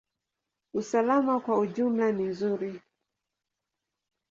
Usalama kwa ujumla ni nzuri.